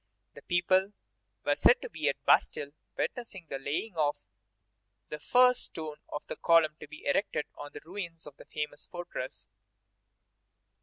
The people were said to be at the Bastille witnessing the laying of the first stone of the column to be erected on the ruins of the famous fortress.